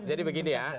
jadi begini ya